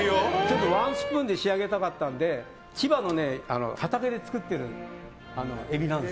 ワンスプーンで仕上げたかったので畑で作ってるエビなんです。